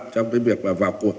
trong việc vào cuộc